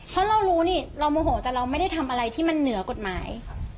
เพราะเรารู้นี่เราโมโหแต่เราไม่ได้ทำอะไรที่มันเหนือกฎหมาย